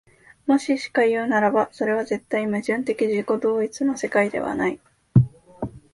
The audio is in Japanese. もししかいうならば、それは絶対矛盾的自己同一の世界ではない。